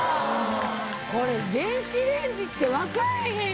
これ電子レンジって分からへん